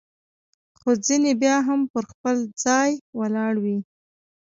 خو ځیني بیا هم پر خپل ځای ولاړ وي.